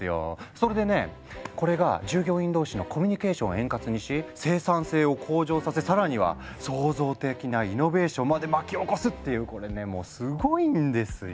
それでねこれが従業員同士のコミュニケーションを円滑にし生産性を向上させ更には創造的なイノベーションまで巻き起こすっていうこれねもうすごいんですよ。